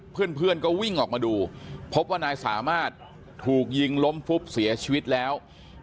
เพื่อนก็วิ่งออกมาดูพบว่านายสามารถถูกยิงล้มฟุบเสียชีวิตแล้ว